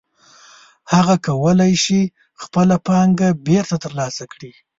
هغه کولی شي خپله پانګه بېرته ترلاسه کړي